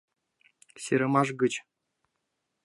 Серымаш гыч.